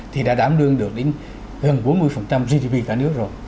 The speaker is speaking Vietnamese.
thì đã đảm đương được đến gần bốn mươi gdp cả nước rồi